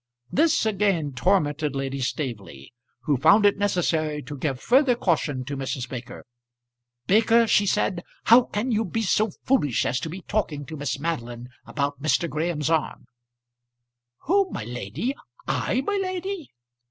This again tormented Lady Staveley, who found it necessary to give further caution to Mrs. Baker. "Baker," she said, "how can you be so foolish as to be talking to Miss Madeline about Mr. Graham's arm?" "Who, my lady? I, my lady?"